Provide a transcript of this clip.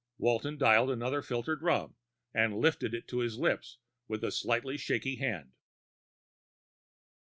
Walton dialed another filtered rum, and lifted it to his lips with a slightly shaky hand.